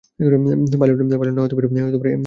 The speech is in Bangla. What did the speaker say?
পাইলট না হতে পেরে এয়ারফোর্স এ যাচ্ছে।